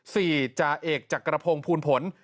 จ่าเอกจักรพงศ์ภูลผล